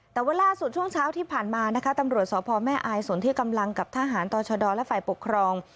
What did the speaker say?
แต่ว่าล่าสุดช่วงเช้าที่ผ่านมานะคะตำรวจสพแม่อายสนที่กำลังกับทหารต่อชดและฝ่ายปกครอง